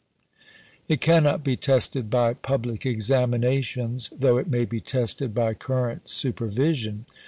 It cannot be tested by public examinations, though it may be tested by current supervision."